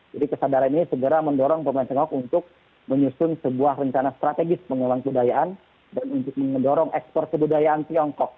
jadi kesadaran ini segera mendorong pemerintah tiongkok untuk menyusun sebuah rencana strategis pengembang kebudayaan dan untuk mendorong ekspor kebudayaan tiongkok